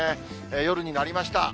夜になりました。